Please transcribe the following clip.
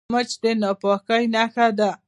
مچ د ناپاکۍ نښه ده